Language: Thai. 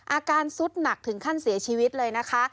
อาการสุดหนักถึงขั้นเสียชีวิตเลยนะคะ